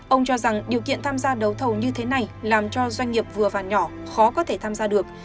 ông cho rằng điều kiện tham gia đấu thầu như thế này làm cho doanh nghiệp vừa và nhỏ khó có thể tham gia được